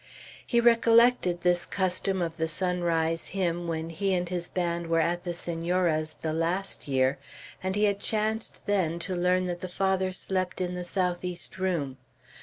He recollected this custom of the sunrise hymn when he and his band were at the Senora's the last year, and he had chanced then to learn that the Father slept in the southeast room.